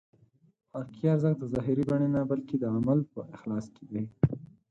حقیقي ارزښت د ظاهري بڼې نه بلکې د عمل په اخلاص کې دی.